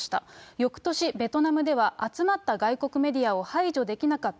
よくとし、ベトナムでは集まった外国メディアを排除できなかった。